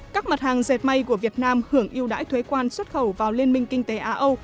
các mặt hàng dệt may của việt nam hưởng yêu đãi thuế quan xuất khẩu vào liên minh kinh tế á âu